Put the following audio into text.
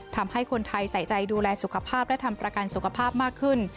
ทำให้คนไทยใส่ใจดูแลสุขภาพและทำประกันสุขภาพมากขึ้น